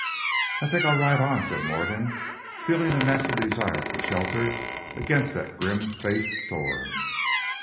"I think I'll ride on," said Morgan, feeling a natural desire for shelter against that grim faced storm.